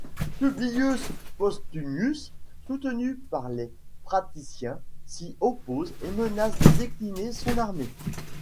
Publius Postumius, soutenu par les patriciens, s'y oppose et menace de décimer son armée.